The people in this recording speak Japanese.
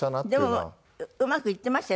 でもうまくいってましたよ